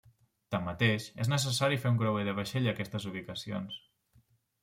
Tanmateix, és necessari fer un creuer de vaixell a aquestes ubicacions.